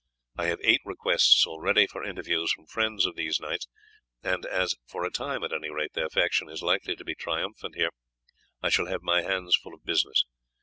I have eight requests already for interviews from friends of these knights, and as, for a time at any rate, their faction is likely to be triumphant here, I shall have my hands full of business.